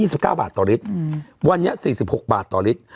สิบเก้าบาทต่อลิตรอืมวันนี้สี่สิบหกบาทต่อลิตร